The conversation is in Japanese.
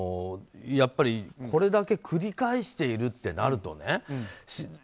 これだけ繰り返しているってなるとね。